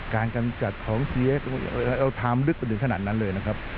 การกำจัดของเทียบเอาทางดึกไปถึงขนาดนั้นเลยนะครับ